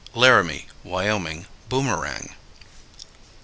_Laramie (Wyoming) Boomerang.